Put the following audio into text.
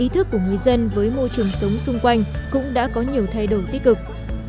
thức của người dân với môi trường sống xung quanh cũng đã có nhiều thay đổi tích cực